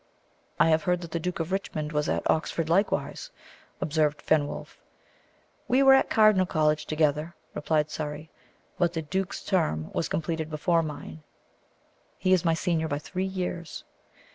"I have heard that the Duke of Richmond was at Oxford likewise," observed Fenwolf. "We were at Cardinal College together," replied Surrey. "But the duke's term was completed before mine. He is my senior by three years."